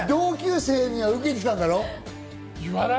同級生にはウケていたんだろ？